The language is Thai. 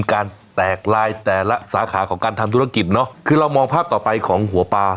การแตกลายแต่ละสาขาของการทำธุรกิจเนอะคือเรามองภาพต่อไปของหัวปลา